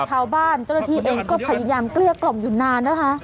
ชาวบ้านเจ้าหน้าที่เองก็พยายามเกลี้ยกล่อมอยู่นานนะคะ